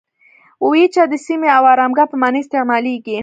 اویجه د سیمې او آرامګاه په معنی استعمالیږي.